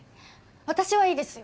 私はいいですよ